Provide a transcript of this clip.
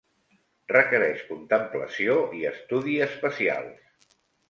Requereix contemplació i estudi especials.